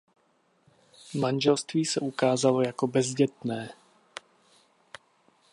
Manželství se ukázalo jako bezdětné.